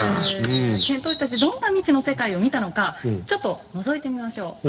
遣唐使たちどんな未知の世界を見たのかちょっとのぞいてみましょう。